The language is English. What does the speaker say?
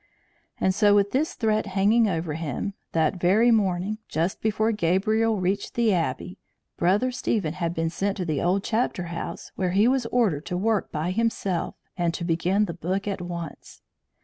And so with this threat hanging over him, that very morning, just before Gabriel reached the Abbey, Brother Stephen had been sent to the old chapter house, where he was ordered to work by himself, and to begin the book at once.